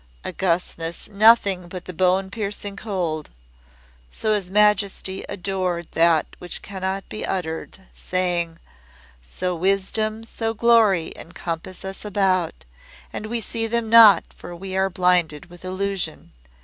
"Augustness, nothing but the bone piercing cold." So His Majesty adored that which cannot be uttered, saying; "So Wisdom, so Glory encompass us about, and we see them not for we are blinded with illusion.